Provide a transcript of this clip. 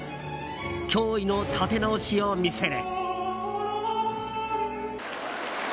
驚異の立て直しを見せる。